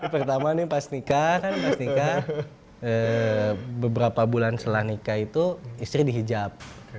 pertama nih pas nikah beberapa bulan setelah nikah itu istri dihijab